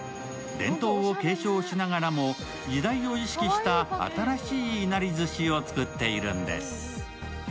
伝統を継承しながらも時代を意識した新しいいなりずしを作っているんです。